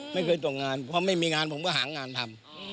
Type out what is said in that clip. ไม่เคยตกงานเพราะไม่มีงานผมก็หางานทำ